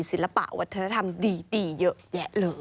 ศิลปะวัฒนธรรมดีเยอะแยะเลย